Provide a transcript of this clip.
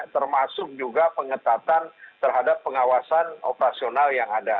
termasuk juga pengetatan terhadap pengawasan operasional yang ada